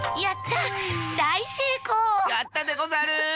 やったでござる！